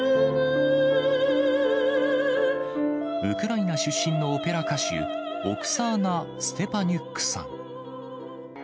ウクライナ出身のオペラ歌手、オクサーナ・ステパニュックさん。